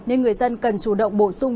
nên người dân cần chủ động bổ sung